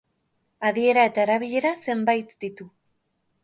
Adiera eta erabilera zenbait ditu.